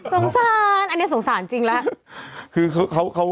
สงสารอันนี้สงสารจริงแล้ว